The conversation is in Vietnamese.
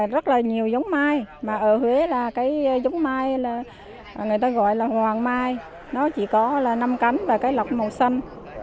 rất là nhiều giống mai mà ở huế là cái giống mai là người ta gọi là hoàng mai nó chỉ có là năm cánh và cái lọc màu xanh